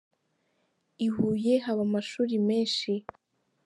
I Huye haba amashuri menshi.